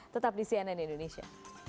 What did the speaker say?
tetap di cnn indonesia